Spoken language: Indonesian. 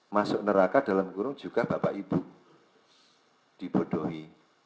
masuk neraka dalam kurung juga bapak ibu dibodohi